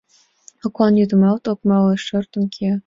Коклан йӱдымат ок мале, шортын кия.